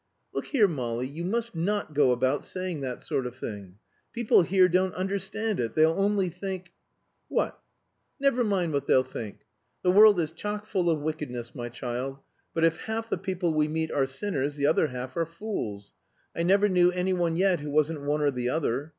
"Look here, Molly, you must not go about saying that sort of thing. People here don't understand it; they'll only think " "What?" "Never mind what they'll think. The world is chock full of wickedness, my child. But if half the people we meet are sinners, the other half are fools. I never knew any one yet who wasn't one or the other.